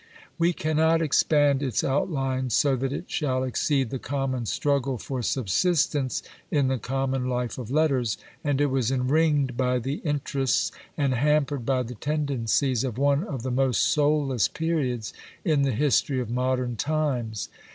We cannot expand its outlines so that it shall exceed the common struggle for subsistence in the common life of letters, and it was en ringed by the interests, and hampered by the tendencies, of one of the most soulless periods in the history of modern times.